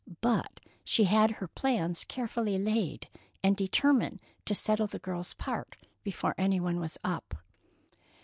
But she had her plans carefully laid, and determined to settle the girl's part before any one was up.